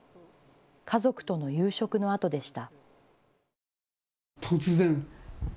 家族との夕食のあとでした。